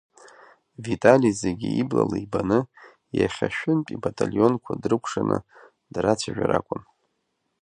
Витали зегьы иблала ибаны иахьа шәынтә ибаталионқәа дрыкәшаны драцәажәар акәын.